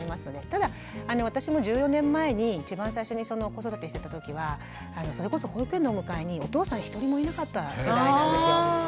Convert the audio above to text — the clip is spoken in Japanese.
ただ私も１４年前に一番最初に子育てしてた時はそれこそ保育園のお迎えにお父さん一人もいなかった時代なんですよ。